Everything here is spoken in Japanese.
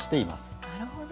なるほど。